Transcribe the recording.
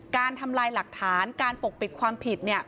การทำลายหลักฐานการปกปิดความผิด